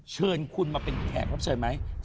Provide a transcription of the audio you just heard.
เชิญคุณมาเป็นแขกรับเชิญไหม